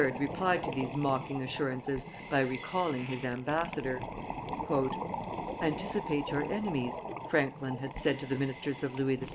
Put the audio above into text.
replied to these mocking assurances by recalling his ambassador. "Anticipate your enemies," Franklin had said to the ministers of Louis XVI.